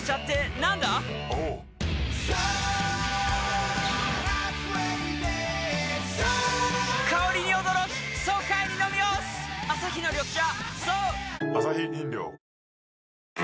颯颯アサヒの緑茶